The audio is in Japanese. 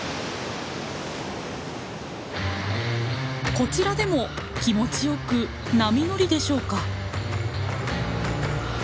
こちらでも気持ちよく波乗りでしょうか？